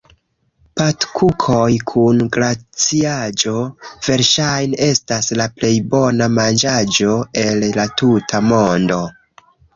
Patkukoj kun glaciaĵo, verŝajne estas la plej bona manĝaĵo el la tuta mondo.